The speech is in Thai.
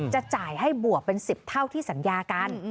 จะจ่ายให้บวกเป็น๑๐เท่าที่สัญญากัน